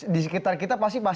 di sekitar kita pasti masih